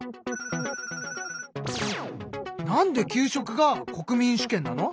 なんで給食が国民主権なの？